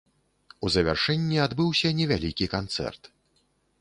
У завяршэнні адбыўся невялікі канцэрт.